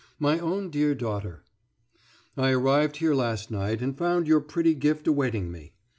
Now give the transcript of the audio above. MY OWN DEAR DAUGHTER: I arrived here last night, and found your pretty gift awaiting me.